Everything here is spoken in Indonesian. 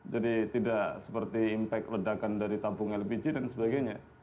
jadi tidak seperti impact ledakan dari tampung lpg dan sebagainya